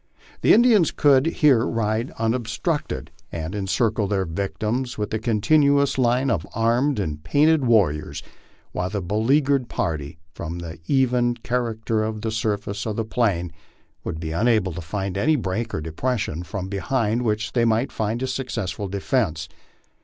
The Indians could here ride unobstructed and encircle their victims with a continuous line of armed and painted warriors, while the beleaguered party, from the even char acter of the surface of the plain, would be unable to find any break or depres sion from behind which they might make a successful defence.